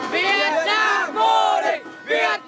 việt nam vô địch việt nam vô địch